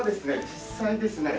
実際ですね